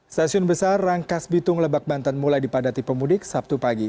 stasiun besar rangkas bitung lebak banten mulai dipadati pemudik sabtu pagi